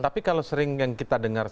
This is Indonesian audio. tapi kalau sering yang kita dengar